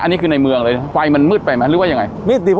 อันนี้คือในเมืองเลยไฟมันมืดไปไหมหรือว่ายังไง